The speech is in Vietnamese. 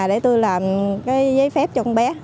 để tôi làm cái giấy phép cho con bé